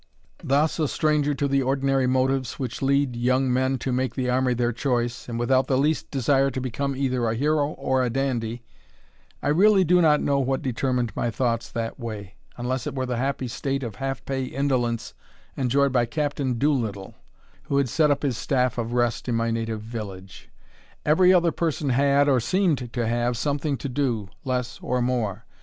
Thus, a stranger to the ordinary motives which lead young men to make the army their choice, and without the least desire to become either a hero or a dandy, I really do not know what determined my thoughts that way, unless it were the happy state of half pay indolence enjoyed by Captain Doolittle, who had set up his staff of rest in my native village. Every other person had, or seemed to have, something to do, less or more.